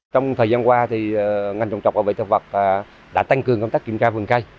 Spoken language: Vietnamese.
trong thời gian qua thì ngành trồng trọc bệnh vệ thực vật đã tăng cường công tác kiểm tra vườn cây